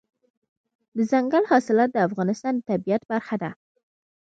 دځنګل حاصلات د افغانستان د طبیعت برخه ده.